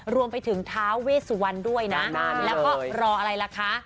รวมไปถึงท้าเวสวรรณด้วยนะแล้วก็รออะไรล่ะคะ